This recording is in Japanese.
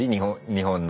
日本の。